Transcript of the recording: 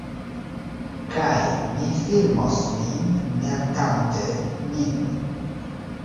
Kaj mi filmos min melkante min